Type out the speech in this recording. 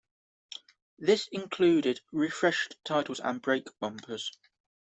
This included refreshed titles and break bumpers.